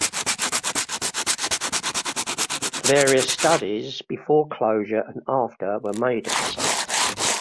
Various studies before closure and after were made of the site.